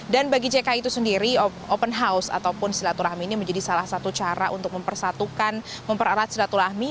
dan bagi jk itu sendiri open house ataupun silaturahmi ini menjadi salah satu cara untuk mempersatukan mempererat silaturahmi